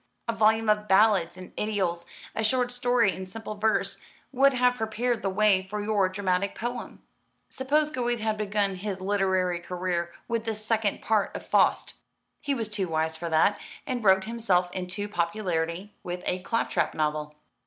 A volume of ballads and idyls a short story in simple verse would have prepared the way for your dramatic poem. Suppose Goethe had begun his literary career with the second part of 'Faust'! He was too wise for that, and wrote himself into popularity with a claptrap novel."